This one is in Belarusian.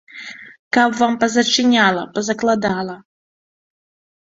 Каб вам пазачыняла, пазакладала!